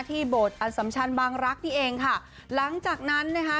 โบสถ์อสัมชันบางรักษ์นี่เองค่ะหลังจากนั้นนะคะ